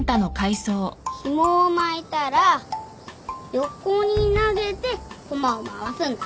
ひもを巻いたら横に投げてコマを回すんだ